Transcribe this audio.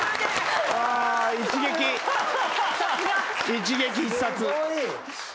一撃必殺。